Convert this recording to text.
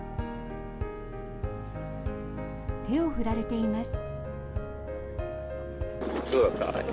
手を振られています。